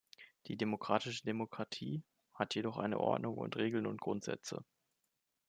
Die demokratische Demokratie hat jedoch eine Ordnung und Regeln und Grundsätze.